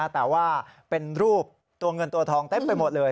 แต่ว่าเป็นรูปตัวเงินตัวทองเต็มไปหมดเลย